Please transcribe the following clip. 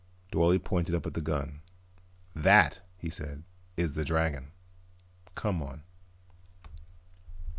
Dorle pointed up at the gun. "That," he said, "is the dragon. Come on."